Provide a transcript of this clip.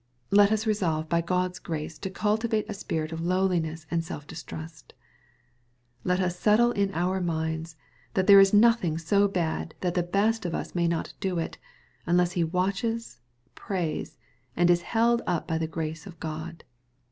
Let us resolve by God's grace to cultivate a spirit of lowliness, and self distrust. Let us settle it in our minds, that there is nothing so bad that the best of us may not do it, unless he watches, prays, and is held up by th^ grace of God.